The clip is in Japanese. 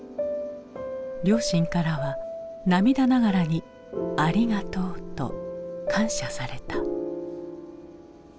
両親からは涙ながらに「ありがとう」と感謝された。